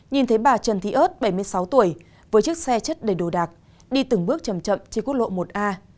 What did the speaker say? nhìn thấy bà trần thị ớt bảy mươi sáu tuổi với chiếc xe chất đầy đồ đạc đi từng bước trầm chậm trên quốc lộ một a